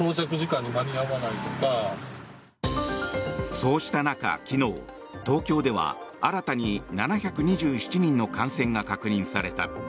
そうした中、昨日東京では新たに７２７人の感染が確認された。